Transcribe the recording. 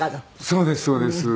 そうですそうです。